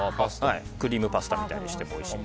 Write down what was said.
クリームパスタみたいにしても。